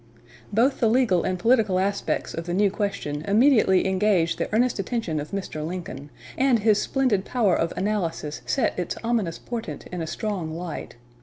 Both the legal and political aspects of the new question immediately engaged the earnest attention of Mr. Lincoln; and his splendid power of analysis set its ominous portent in a strong light.